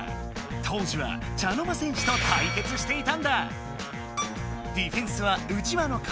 当時は茶の間戦士とたいけつしていたんだ！